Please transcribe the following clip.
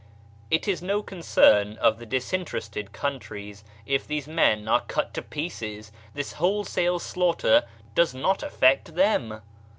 It is no concern of the disinter ested countries if these men are cut to pieces, this wholesale slaughter does not affect them